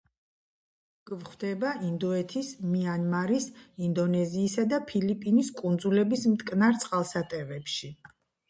გვხვდება ინდოეთის, მიანმარის, ინდონეზიისა და ფილიპინის კუნძულების მტკნარ წყალსატევებში.